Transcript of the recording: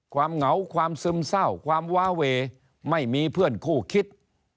เหงาความซึมเศร้าความวาเวไม่มีเพื่อนคู่คิด